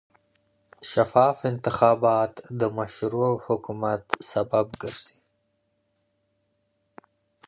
شفاف انتخابات د مشروع حکومت سبب ګرځي